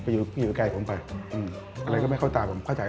เหมือนมันเป็นอังสาร